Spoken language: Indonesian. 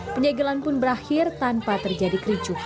penyegelan pun berakhir tanpa terjadi kericuhan